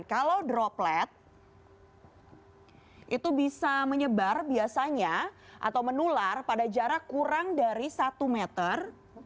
kalau droplet itu bisa menyebar biasanya atau menular pada jarak kurang dari satu meter